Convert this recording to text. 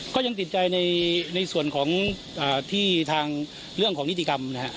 ก็ยังติดใจในส่วนที่เรื่องนิติกรรมนะครับ